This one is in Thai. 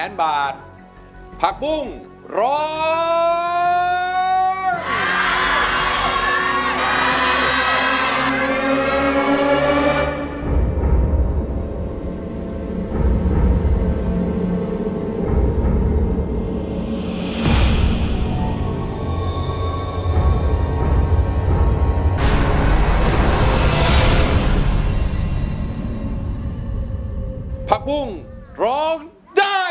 โลกใจโลกใจโลกใจโลกใจ